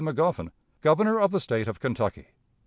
Magoffin, _Governor of the State of Kentucky.